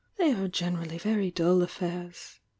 "They are generally very dull affairs.